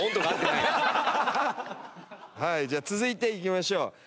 はいじゃあ続いていきましょう。